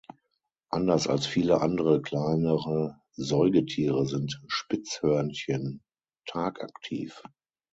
Anders als viele andere kleinere Säugetiere sind Spitzhörnchen tagaktiv.